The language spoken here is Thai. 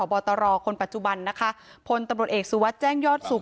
บอตรคนปัจจุบันนะคะพลตำรวจเอกสุวัสดิ์แจ้งยอดสุข